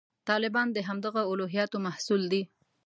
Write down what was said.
طالبان د همدغه الهیاتو محصول دي.